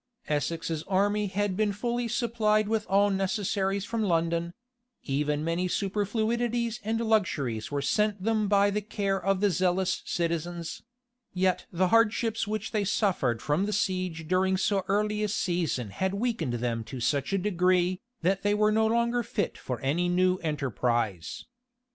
Essex's army had been fully supplied with all necessaries from London; even many superfluities and luxuries were sent them by the care of the zealous citizens; yet the hardships which they suffered from the siege during so early a season had weakened them to such a degree, that they were no longer fit for any new enterprise.